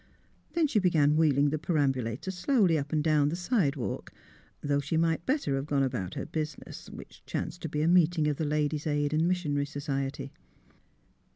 Then she began wheeling the perambulator slowly up and down the sidewalk, though she might better have gone about her business which chanced to be a meeting of the Ladies' Aid and Missionary Society.